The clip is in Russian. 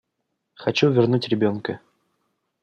Хочу вернуть ребенка.